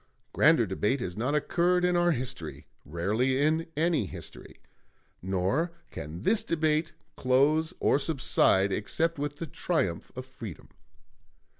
Grander debate has not occurred in our history, rarely in any history; nor can this debate close or subside except with the triumph of Freedom."